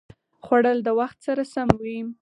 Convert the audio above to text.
خوړل د وخت سره سم وي